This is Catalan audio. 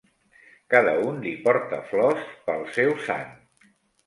Cada un li porta flors pel seu sant.